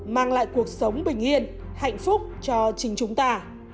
mang lại cuộc sống bình yên hạnh phúc cho chính chúng ta